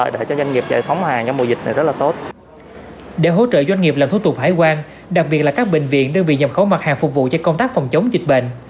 để hỗ trợ doanh nghiệp làm thủ tục hải quan đặc biệt là các bệnh viện đơn vị nhập khẩu mặt hàng phục vụ cho công tác phòng chống dịch bệnh